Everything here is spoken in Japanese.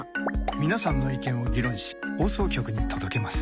皆さんの意見を議論し放送局に届けます。